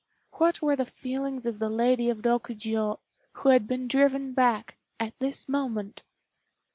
What were the feelings of the Lady of Rokjiô, who had been driven back, at this moment!